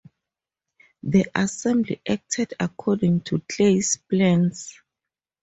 The Assembly acted according to Clay's plans.